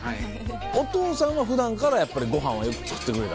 お父さんは普段からごはんはよく作ってくれたんや。